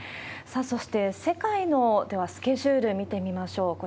さあ、そして世界の、ではスケジュール見てみましょう。